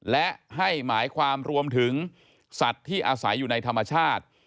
และให้หมายความรวมถึงสัตว์ที่อาศัยอยู่ในธรรมชาติ